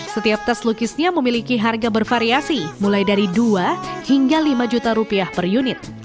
setiap tas lukisnya memiliki harga bervariasi mulai dari dua hingga lima juta rupiah per unit